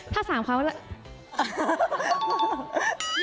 ถ้าสามครั้งว่าอะไร